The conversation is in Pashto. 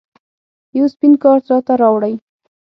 یو سپین کارت راته راوړئ